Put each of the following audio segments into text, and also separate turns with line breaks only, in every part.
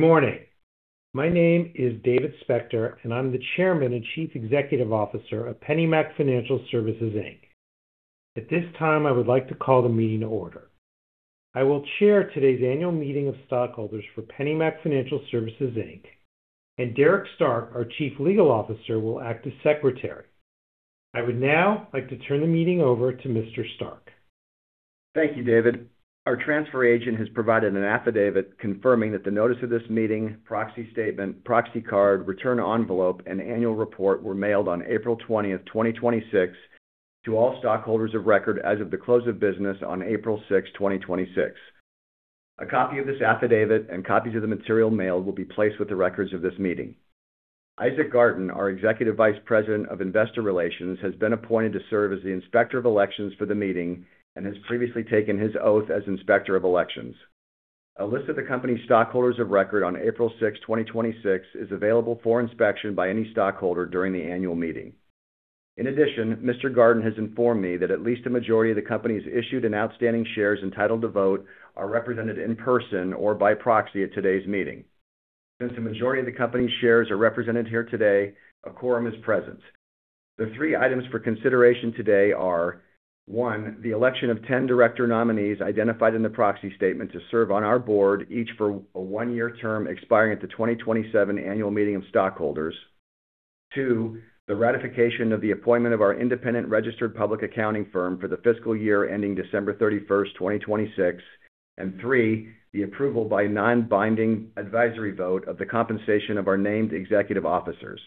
Good morning. My name is David Spector, and I'm the Chairman and Chief Executive Officer of PennyMac Financial Services, Inc. At this time, I would like to call the meeting to order. I will chair today's annual meeting of stockholders for PennyMac Financial Services, Inc. Derek Stark, our Chief Legal Officer, will act as secretary. I would now like to turn the meeting over to Mr. Stark.
Thank you, David. Our transfer agent has provided an affidavit confirming that the notice of this meeting, proxy statement, proxy card, return envelope, and annual report were mailed on April 20, 2026, to all stockholders of record as of the close of business on April 6, 2026. A copy of this affidavit and copies of the material mailed will be placed with the records of this meeting. Isaac Garten, our Executive Vice President of Investor Relations, has been appointed to serve as the Inspector of Elections for the meeting and has previously taken his oath as Inspector of Elections. A list of the company's stockholders of record on April 6, 2026, is available for inspection by any stockholder during the annual meeting. In addition, Mr. Garten has informed me that at least a majority of the company's issued and outstanding shares entitled to vote are represented in person or by proxy at today's meeting. Since the majority of the company's shares are represented here today, a quorum is present. The three items for consideration today are, one, the election of 10 director nominees identified in the proxy statement to serve on our board, each for a one-year term expiring at the 2027 annual meeting of stockholders. Two, the ratification of the appointment of our independent registered public accounting firm for the fiscal year ending December 31st, 2026. Three, the approval by non-binding advisory vote of the compensation of our named executive officers.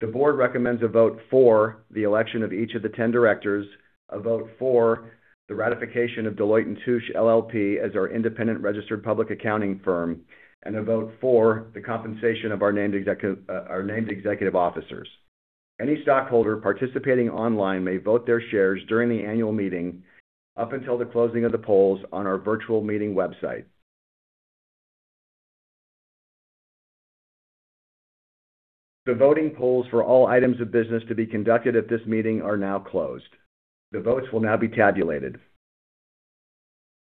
The board recommends a vote for the election of each of the 10 directors, a vote for the ratification of Deloitte & Touche LLP as our independent registered public accounting firm, and a vote for the compensation of our named executive officers. Any stockholder participating online may vote their shares during the annual meeting up until the closing of the polls on our virtual meeting website. The voting polls for all items of business to be conducted at this meeting are now closed. The votes will now be tabulated.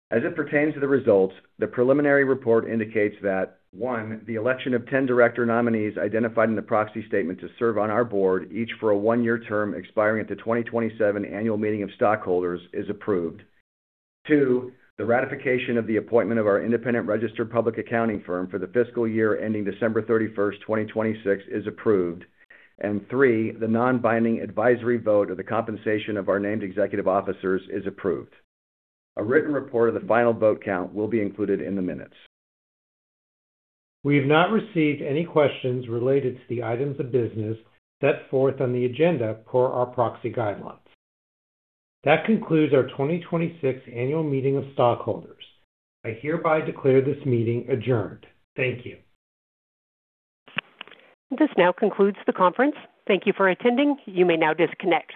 As it pertains to the results, the preliminary report indicates that, one, the election of 10 director nominees identified in the proxy statement to serve on our board, each for a one-year term expiring at the 2027 annual meeting of stockholders, is approved. Two, the ratification of the appointment of our independent registered public accounting firm for the fiscal year ending December 31st, 2026, is approved. Three, the non-binding advisory vote of the compensation of our named executive officers is approved. A written report of the final vote count will be included in the minutes.
We have not received any questions related to the items of business set forth on the agenda per our proxy guidelines. That concludes our 2026 annual meeting of stockholders. I hereby declare this meeting adjourned. Thank you. This now concludes the conference. Thank you for attending. You may now disconnect.